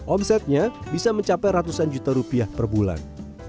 omsetnya bisa mencapai ratusan juta rupiah per bulan